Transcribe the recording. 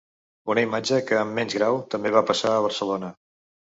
Una imatge que en menys grau també va passar a Barcelona.